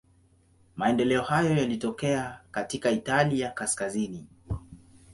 Maendeleo hayo yalitokea katika Italia kaskazini.